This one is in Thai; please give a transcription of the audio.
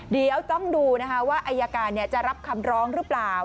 เดี๋ยวต้องดูนะคะว่าอายการจะรับคำร้องหรือเปล่า